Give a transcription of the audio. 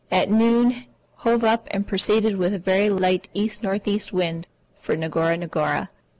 At noon hove up and proceeded with a very light E.N.E. wind for Ngora Ngora.